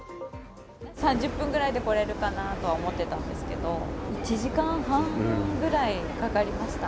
３０分ぐらいで来れるかなとは思ってたんですけど、１時間半ぐらいかかりました。